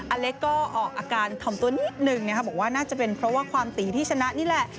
อเล็กก็ออกอาการถ่อมตัวนิดนึงนะคะบอกว่าน่าจะเป็นเพราะว่าความตีที่ชนะนี่แหละ